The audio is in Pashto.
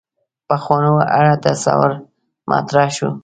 پخوانو اړه تصور مطرح شو.